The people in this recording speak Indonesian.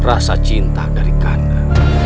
rasa cinta dari kak kanda